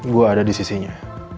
gue ada di sisinya